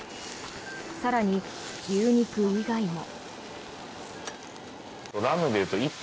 更に、牛肉以外も。